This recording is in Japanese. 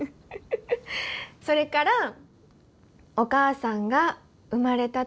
それからお母さんが生まれた時の話。